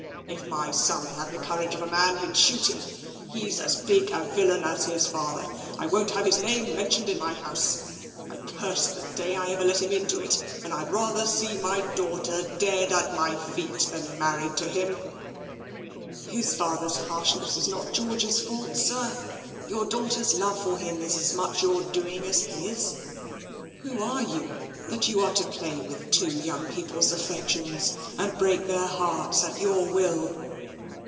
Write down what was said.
If my son had the courage of a man, he'd shoot him. He's as big a villain as his father. I won't have his name mentioned in my house. I curse the day that ever I let him into it; and I'd rather see my daughter dead at my feet than married to him." "His father's harshness is not George's fault, sir. Your daughter's love for him is as much your doing as his. Who are you, that you are to play with two young people's affections and break their hearts at your will?"